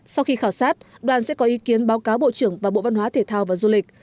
sau khi khảo sát đoàn sẽ có ý kiến báo cáo bộ trưởng và bộ văn hóa thể thao và du lịch